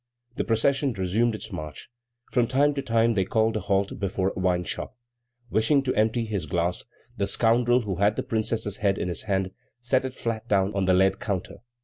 The procession resumed its march. From time to time they called a halt before a wine shop. Wishing to empty his glass, the scoundrel who had the Princess's head in his hand, set it flat down on the lead counter.